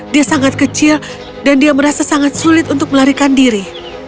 dia sangat kecil dan dia merasa sangat sulit untuk melarikan diri